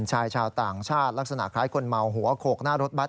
ชายชาวต่างชาติลักษณะคล้ายคนเมาหัวโขกหน้ารถบัตร